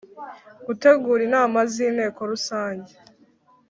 Gutegura Inama z inteko rusange